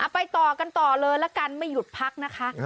ไปต่อกันต่อเลยละกันไม่หยุดพักนะคะ